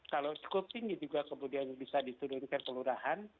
kalau cukup tinggi juga kemudian bisa diturunkan ke lurahan